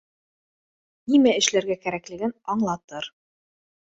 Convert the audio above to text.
Нимә эшләргә кәрәклеген аңлатыр